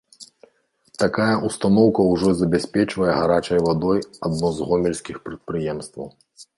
Такая ўстаноўка ўжо забяспечвае гарачай вадой адно з гомельскіх прадпрыемстваў.